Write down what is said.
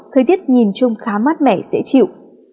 thời tiết nhìn chung khá mát mẻ dễ chịu